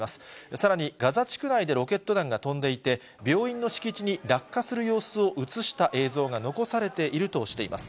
さらにガザ地区内でロケット弾が飛んでいて、病院の敷地に落下する様子を写した映像が残されているとしています。